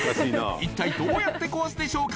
一体どうやって壊すでしょうか？